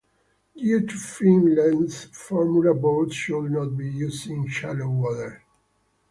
Due to fin length, formula boards should not be used in shallow waters.